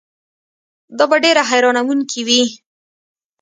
دا به ډېره حیرانوونکې وي.